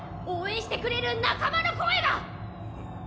応援してくれる仲間の声が！